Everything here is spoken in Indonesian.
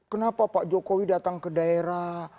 kenapa pak jokowi datang ke daerah